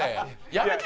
やめて！